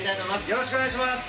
よろしくお願いします。